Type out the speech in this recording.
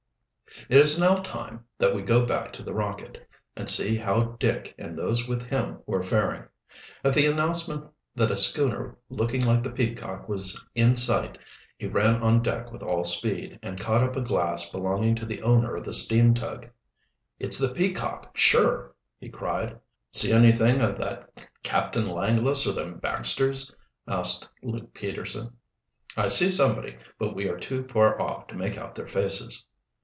It is now time that we go back to the Rocket and see how Dick and those with him were faring. At the announcement that a schooner looking like the Peacock was in sight he ran on deck with all speed, and caught up a glass belonging to the owner of the steam tug. "It's the Peacock, sure," he cried. "See anything o' that Captain Langless or them Baxters?" asked Luke Peterson. "I see somebody, but we are too far off to make out their faces."